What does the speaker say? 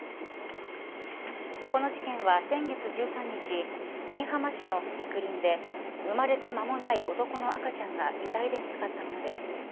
この事件は先月１３日新居浜市の竹林で生まれて間もない男の赤ちゃんが遺体で見つかったものです。